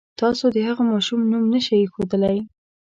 تاسو د هغه ماشوم نوم نه شئ اېښودلی.